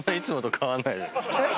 えっ？